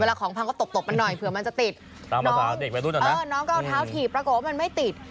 เวลาของพังก็ตบมันหน่อยเผื่อมันจะติดน้องน้องก็เอาเท้าถีบประโกะมันไม่ติด